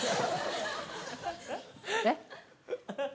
えっ？